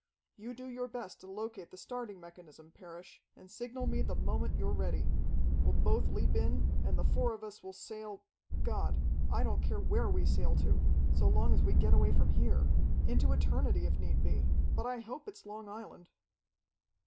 "You do your best to locate the starting mechanism, Parrish, and signal me the moment you're ready. We'll both leap in, and the four of us will sail God, I don't care where we sail to, so long as we get away from here! Into eternity, if need be. But I hope it's Long Island!"